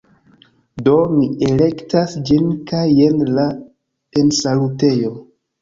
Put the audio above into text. Do, mi elektas ĝin kaj jen la ensalutejo